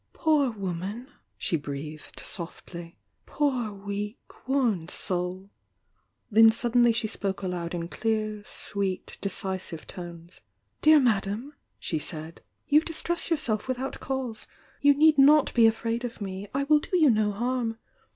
"Poor woman !" she breathed, softly. "Poor weak, worn soul!" Then suddenly she spoke aloud in clear, sweet, decisive tones. "Dear Madame," she said — "you distress yourself without cause! You need not be afraid of me, — I will do you no harm!